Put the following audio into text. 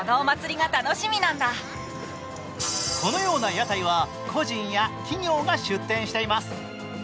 このような屋台は個人や企業が出店しています。